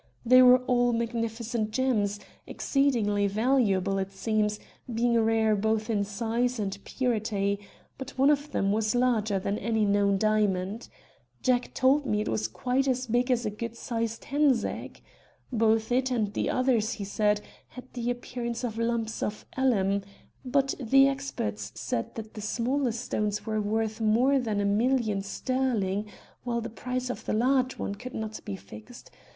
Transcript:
They were all magnificent gems, exceedingly valuable it seems, being rare both in size and purity; but one of them was larger than any known diamond. Jack told me it was quite as big as a good sized hen's egg. Both it and the others, he said, had the appearance of lumps of alum; but the experts said that the smaller stones were worth more than a million sterling, whilst the price of the large one could not be fixed.